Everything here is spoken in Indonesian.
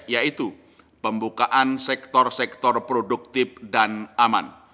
yaitu pembukaan sektor sektor produktif dan aman